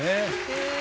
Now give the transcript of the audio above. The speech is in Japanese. へえ。